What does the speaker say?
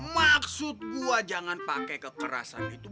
maksud gue jangan pakai kekerasan itu